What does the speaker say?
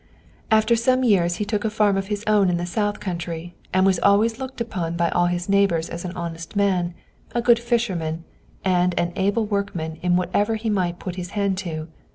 After some years he took a farm of his own in the south country, and was always looked upon by all his neighbors as an honest man, a good fisherman, and an able workman in whatever he might put his hand to.